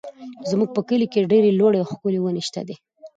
زموږ په کلي کې ډېرې لوړې او ښکلې ونې شته دي.